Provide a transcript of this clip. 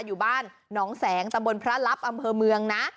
อยู่บ้านหนองแสงตำบลพระลับอำเภอเมืองนะ